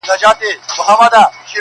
پردو زموږ په مټو یووړ تر منزله,